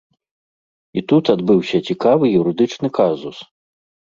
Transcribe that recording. І тут адбыўся цікавы юрыдычны казус.